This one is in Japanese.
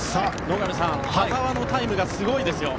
野上さん田澤のタイムがすごいですよ。